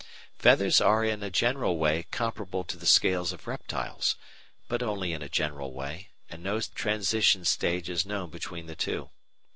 Feathers are in a general way comparable to the scales of reptiles, but only in a general way, and no transition stage is known between the two.